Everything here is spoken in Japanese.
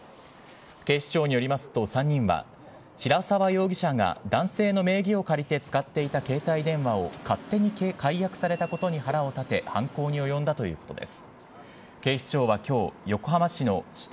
警視庁によりますと、３人は、平沢容疑者が男性の名義を借りて使っていた携帯電話を勝手に解約されたことに腹を立て、犯行に及んだということです。